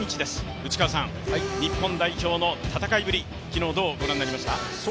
内川さん、日本代表の戦いぶり、昨日、どうご覧になりました？